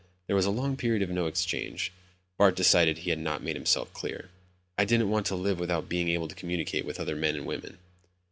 There was a long period of no exchange. Bart decided he had not made himself clear. "I didn't want to live without being able to communicate with other men and women."